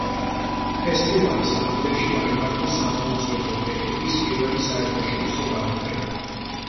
ფესტივალის ფარგლებში გაიმართა სამაუწყებლო ტექნიკის პირველი საერთაშორისო გამოფენა.